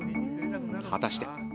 果たして。